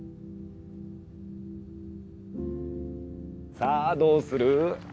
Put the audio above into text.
さあどうする？